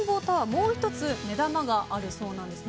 もう１つ目玉があるそうです。